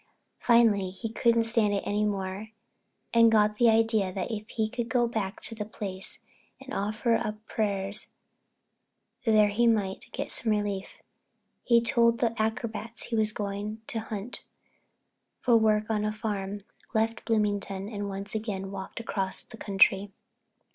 Finally he couldn't stand it any more and got the idea that if he could go back to the place and offer up prayers there he might get some relief. He told the acrobats he was going to hunt for work on a farm, left Bloomington and once again walked across the country.